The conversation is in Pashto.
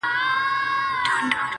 نه لري هيـڅ نــنــــگ.